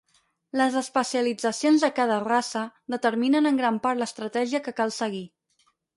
Les especialitzacions de cada raça determinen en gran part l'estratègia que cal seguir.